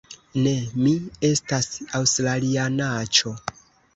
Ne, mi estas aŭstralianaĉo